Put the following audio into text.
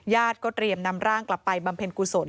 เตรียมนำร่างกลับไปบำเพ็ญกุศล